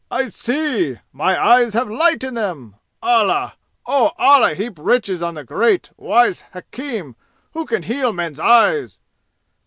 I see! My eyes have light in them! Allah! Oh, Allah heap riches on the great wise hakfim who can heal men's eyes!